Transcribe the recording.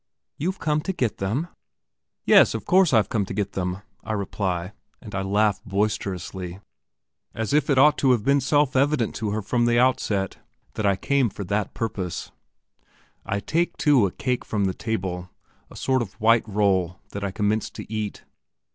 "You've come to get them?" "Yes; of course I've come to get them," I reply, and I laugh boisterously, as if it ought to have been self evident to her from the outset that I came for that purpose. I take, too, a cake up from the table, a sort of white roll that I commenced to eat.